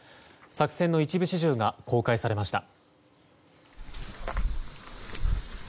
作戦の一部始終が公開されました。